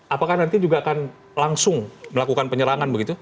apakah nanti juga akan langsung melakukan penyerangan begitu